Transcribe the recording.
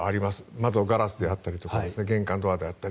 窓ガラスであったり玄関ドアであったり。